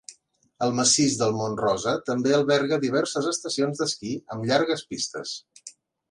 El massís del mont Rosa també alberga diverses estacions d'esquí amb llargues pistes.